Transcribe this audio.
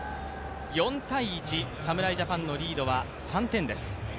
４−１、侍ジャパンのリードは３点です。